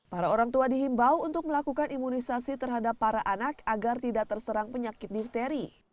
para orang tua dihimbau untuk melakukan imunisasi terhadap para anak agar tidak terserang penyakit difteri